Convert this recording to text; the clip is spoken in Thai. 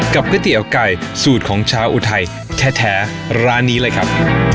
กับกระเตี๋ยวกล่ายสูตรของเช้าอุทัยแท้ร้านนี้เลยครับ